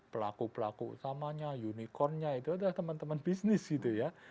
pelaku pelaku utamanya unicornnya itu adalah teman teman bisnis gitu ya